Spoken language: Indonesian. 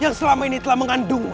yang selama ini telah mengandung